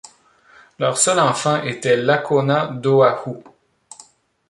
Leur seul enfant était Lakona d'Oahu.